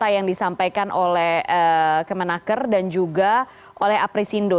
ada data yang disampaikan oleh kemenaker dan juga oleh apri sindo